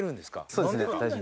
そうですね大丈夫です。